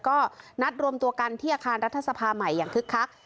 ก็นัดรวมตัวกันที่อาคารรัฐสภาใหม่อย่างคึกคัก